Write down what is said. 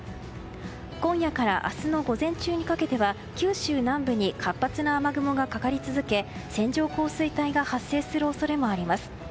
今夜から明日の午前中にかけては九州南部に活発な雨雲がかかり続け線状降水帯が発生する恐れもあります。